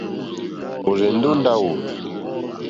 Ɔ̀rzɛ̀ndɛ́ ó ndáwò.